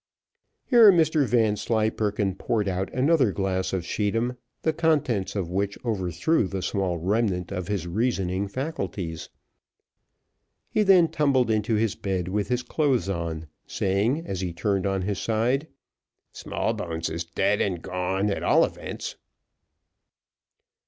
Here Mr Vanslyperken poured out another glass of scheedam, the contents of which overthrew the small remnant of his reasoning faculties. He then tumbled into his bed with his clothes on, saying, as he turned on his side, "Smallbones is dead and gone, at all events."